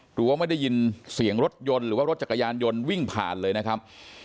หรือว่าไม่ได้ยินเสียงรถยนต์หรือว่ารถจักรยานยนต์วิ่งผ่านเลยนะครับ